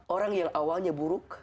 orang yang awalnya buruk